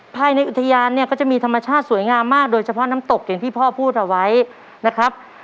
ภายในอุทยานเนี่ยก็จะมีธรรมชาติสวยงามมากโดยเฉพาะน้ำตกอย่างที่พ่อพูดเอาไว้นะครับ